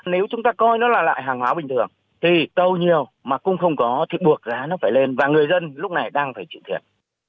nếu chúng ta coi nó là lại hàng hóa bình thường thì tàu nhiều mà cũng không có thì buộc giá nó phải lên và người dân lúc này đang phải chịu thiệt